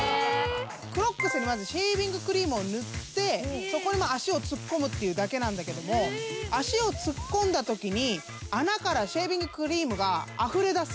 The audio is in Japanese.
クロックスにまずシェービングクリームを塗ってそこにまあ足を突っ込むっていうだけなんだけども足を突っ込んだときに穴からシェービングクリームがあふれ出す。